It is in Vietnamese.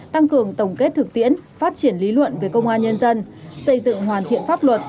tăng cường tổng kết thực tiễn phát triển lý luận về công an nhân dân xây dựng hoàn thiện pháp luật